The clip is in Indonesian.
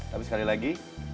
tapi sekali lagi